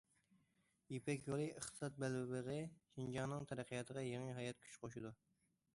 يىپەك يولى ئىقتىساد بەلبېغى شىنجاڭنىڭ تەرەققىياتىغا يېڭى ھايات كۈچ قوشىدۇ.